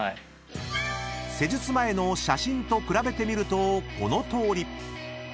［施術前の写真と比べてみるとこのとおり］